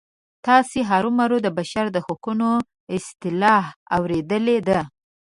تاسې هرومرو د بشر د حقونو اصطلاح اوریدلې ده.